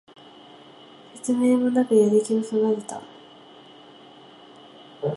説明もなくやる気をそがれた